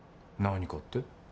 何かって？